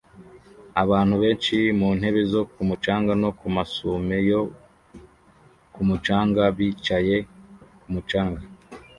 Abantu benshi mu ntebe zo ku mucanga no ku masume yo ku mucanga bicaye ku mucanga